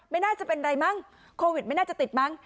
ไม่น่าจะเป็นไรมั้งโควิดไม่น่าจะติดมั้ง